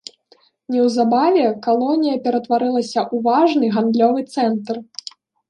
Неўзабаве калонія ператварылася ў важны гандлёвы цэнтр.